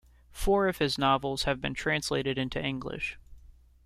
Four of his novels have been translated into English.